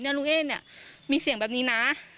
เนี่ยลูกเอ้นเนี่ยมีเสียงแบบนี้นะ